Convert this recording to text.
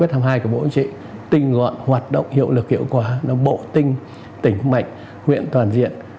kiện toàn xây dựng mô hình tổ chức bộ máy theo hướng bộ tinh tỉnh mạnh huyện toàn diện xã bám cơ sở